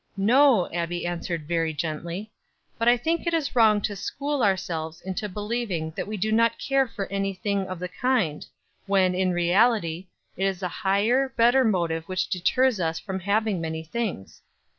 "No," Abbie answered very gently; "but I think it is wrong to school ourselves into believing that we do not care for any thing of the kind; when, in reality, it is a higher, better motive which deters us from having many things.